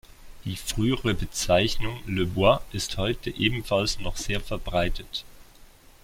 Die frühere Bezeichnung "Le Bois" ist heute ebenfalls noch sehr verbreitet.